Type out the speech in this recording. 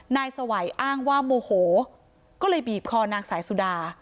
นายสวัยอ้างว่าโมโหก็เลยบีบคอนางสายสุดา